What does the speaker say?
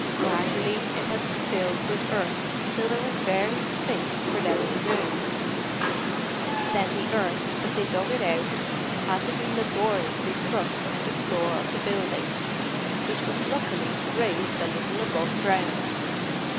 Gradually it had been filled with earth until there was barely space for them to move; then the earth as they dug it out had to be laboriously thrust under the floor of the building, which was luckily raised a little above ground.